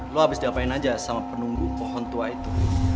lo abis diapain aja sama penunggu pohon tua itu